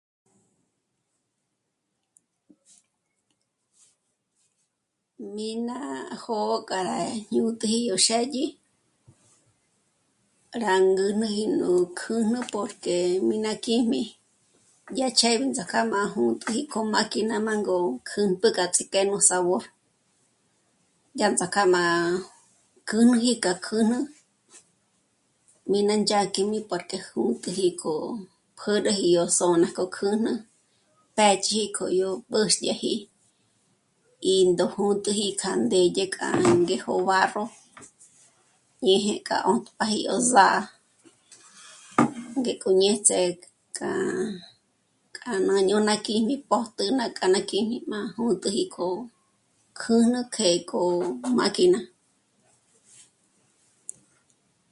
Mí ná... jó'o k'a rá jñût'iji yó xë́dyi, rá ngûnüji yó kjǘjnü porque... mí ná kjíjmi, ya ch'éb'i ts'ák'a má jûnt'uji k'o máquina má ngó'o kjǚmpjü k'a ts'íjk'e nú sabor. Yá ts'ákja má k'ǚnüji k'a kjǘjnü mí ná ndzhák'i porque jûnk'üji k'o kjüruji yó zò'na k'o kjürü pë́dyi k'oyó pä̀xnyaji í ndó jǖ̂tüji k'a ndédye k'a ngéjo barro ñéje k'a 'ómpjaji yó zà'a, ngék'o ñé ts'é... k'a, k'a yá ná jñôna kjíjmi pójtü ná k'a kjíjmi má jûntüji k'o kjǘjnü k'e k'o máquina